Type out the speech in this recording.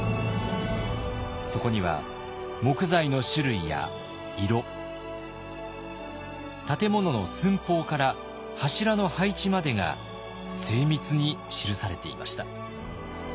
そこには木材の種類や色建物の寸法から柱の配置までが精密に記されていました。